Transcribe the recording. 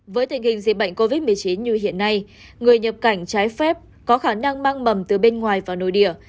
với tình hình dịch bệnh covid một mươi chín như hiện nay người nhập cảnh trái phép có khả năng mang mầm từ bên ngoài vào nội địa